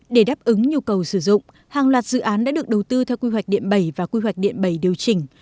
để đáp ứng nhu cầu sử dụng hàng loạt dự án đã được đầu tư theo quy hoạch điện bảy và quy hoạch điện bảy điều chỉnh